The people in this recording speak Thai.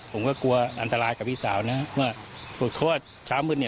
ผมก็กลัวอันตรายกับพี่สาวนะเพราะว่าเพราะว่าเช้ามืดเนี้ย